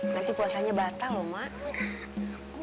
nanti puasanya batal lho mak